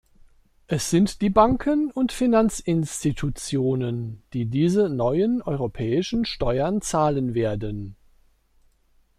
Es sind die Banken und Finanzinstitutionen, die diese neuen europäischen Steuern zahlen werden.